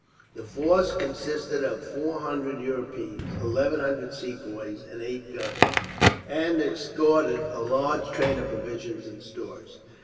The force consisted of four hundred Europeans, eleven hundred Sepoys, and eight guns, and escorted a large train of provisions and stores.